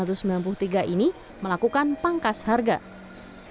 harga harga yang diperlukan adalah harga harga yang diperlukan adalah harga harga yang diperlukan